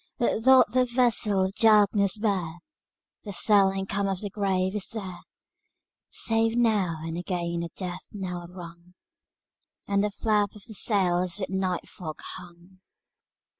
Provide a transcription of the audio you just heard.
Say, what doth that vessel of darkness bear? The silent calm of the grave is there, Save now and again a death knell rung, And the flap of the sails with night fog hung.